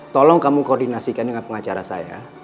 tolong kamu koordinasikan dengan pengacara saya